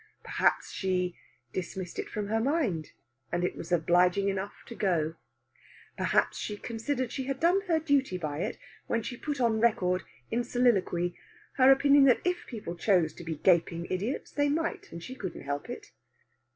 Perhaps she "dismissed it from her mind," and it was obliging enough to go. Perhaps she considered she had done her duty by it when she put on record, in soliloquy, her opinion that if people chose to be gaping idiots they might, and she couldn't help it.